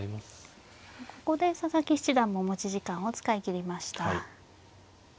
ここで佐々木七段も持ち時間を使い切りました。